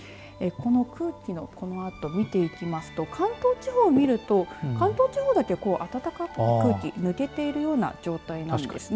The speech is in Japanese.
この空気のこのあと見ていきますと関東地方を見ると関東地方だけ暖かい空気、抜けているような状態なんです。